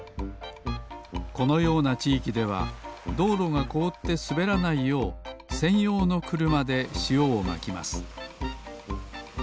このようなちいきではどうろがこおってすべらないようせんようのくるまでしおをまきます